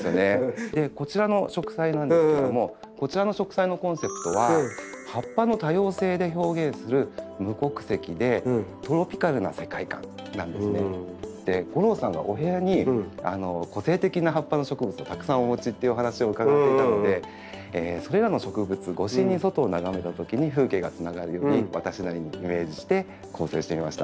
こちらの植栽なんですけどもこちらの植栽のコンセプトは吾郎さんがお部屋に個性的な葉っぱの植物をたくさんお持ちっていうお話を伺っていたのでそれらの植物越しに外を眺めたときに風景がつながるように私なりにイメージして構成してみました。